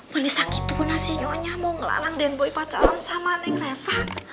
manisah gitu kena si nyonya mau ngelarang dan boy pacaran sama neng reva